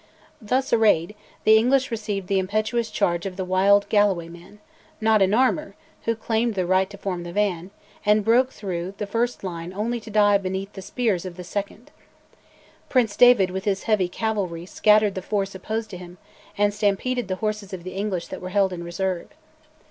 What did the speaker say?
Thus arrayed, the English received the impetuous charge of the wild Galloway men, not in armour, who claimed the right to form the van, and broke through the first line only to die beneath the spears of the second. But Prince David with his heavy cavalry scattered the force opposed to him, and stampeded the horses of the English that were held in reserve.